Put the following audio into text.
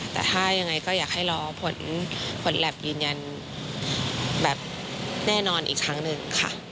แต่ถ้ายังไงก็อยากให้รอผลแล็บยืนยันแบบแน่นอนอีกครั้งหนึ่งค่ะ